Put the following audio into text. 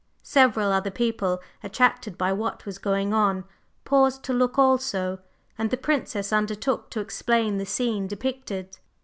Several other people, attracted by what was going on, paused to look also, and the Princess undertook to explain the scene depicted.